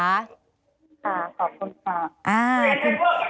ขอบคุณค่ะ